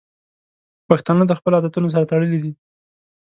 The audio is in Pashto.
پښتانه د خپلو عادتونو سره تړلي دي.